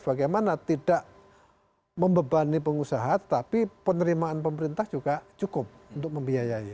bagaimana tidak membebani pengusaha tapi penerimaan pemerintah juga cukup untuk membiayai